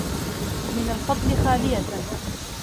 وَمِنْ الْفَضْلِ خَالِيَةً